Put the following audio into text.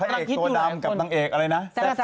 เอกตัวดำกับนางเอกอะไรนะ